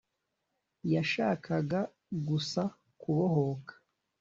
yashakaga gusa kubohoka,